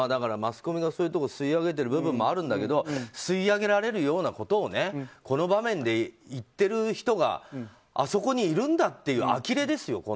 マスコミがそういうところ吸い上げている部分もあるけど吸い上げられるようなところがこういう場面で言っている人があそこにいるんだっていうあきれですよ。